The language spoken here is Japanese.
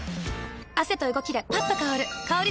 汗と動きでパッと香る香り